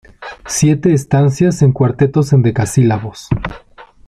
Siete estancias en cuartetos endecasílabos.